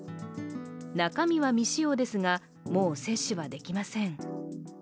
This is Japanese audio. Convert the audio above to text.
中身は未使用ですがもう接種はできません。